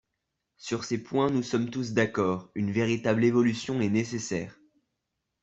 Sur ces points, nous sommes tous d’accord, une véritable évolution est nécessaire.